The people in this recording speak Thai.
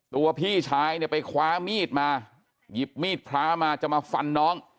ตัวพี่ชายไปคว้ามีดมาหยิบมีดพระมาจะมาฝันน้อง